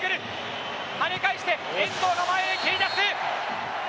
跳ね返して、遠藤が前へ蹴りだす。